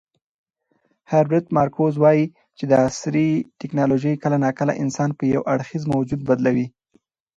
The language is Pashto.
هربرت مارکوز وایي چې عصري ټیکنالوژي کله ناکله انسان په یو اړخیز موجود بدلوي.